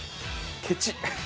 ケチ！